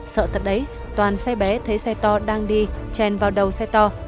sợ thật đấy toàn xe bé thấy xe to đang đi chèn vào đầu xe to